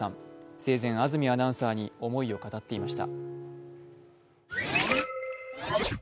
生前、安住アナウンサーに思いを語っていました。